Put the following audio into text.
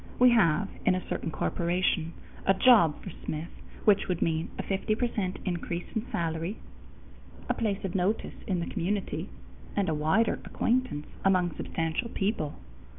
We have, in a certain corporation, a job for Smith which would mean a 50 percent increase in salary, a place of notice in the community, and a wider acquaintance among substantial people.